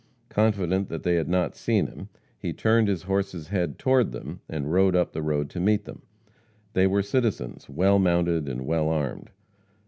Confident that they had not seen him, he turned his horse's head toward them and rode up the road to meet them. They were citizens, well mounted and well armed.